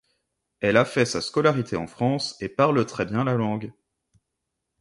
Elle a aussi fait sa scolarité en France et parle très bien la langue.